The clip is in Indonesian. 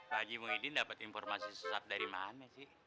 pak haji muhyiddin dapet informasi susah dari mana sih